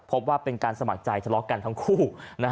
พบว่าเป็นการสมัครใจทะเลาะกันทั้งคู่